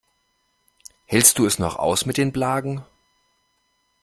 Hältst du es noch aus mit den Blagen?